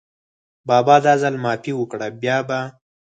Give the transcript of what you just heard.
بابا دا ځل معافي وکړه، بیا به …